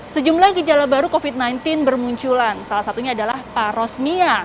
sejumlah gejala baru covid sembilan belas bermunculan salah satunya adalah parosmia